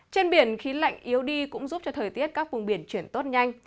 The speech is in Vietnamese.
trên biển khí lạnh yếu đi cũng giúp cho thời tiết các vùng biển chuyển tốt nhanh